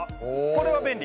これは便利。